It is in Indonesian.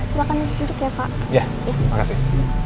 silahkan duduk ya pak ya makasih